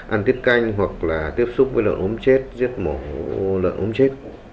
ăn tiết canh hoặc là tiếp xúc với lợn ốm chết giết mổ lợn ốm chết